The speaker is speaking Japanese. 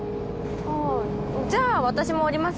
ああじゃあ私も降ります。